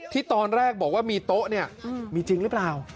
ที่ตอนแรกบอกว่ามีโต๊ะเนี่ยมีจริงหรือเปล่า